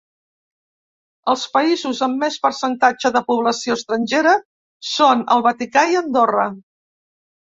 Els països amb més percentatge de població estrangera són el Vaticà i Andorra.